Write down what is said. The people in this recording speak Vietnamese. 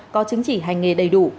có chứng chỉ hành nghề đầy đủ